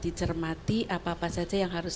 dicermati apa apa saja yang harus